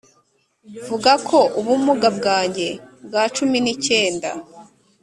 vuga ko ubumuga bwanjye bwa cumi n'icyenda,